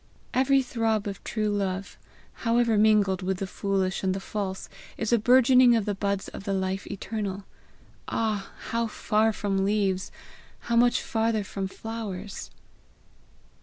Every throb of true love, however mingled with the foolish and the false, is a bourgeoning of the buds of the life eternal ah, how far from leaves! how much farther from flowers.